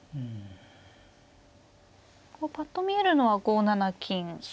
ぱっと見えるのは５七金ですか。